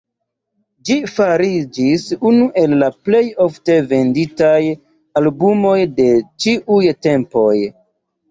Ĝi fariĝis unu el la plej ofte venditaj albumoj de ĉiuj tempoj.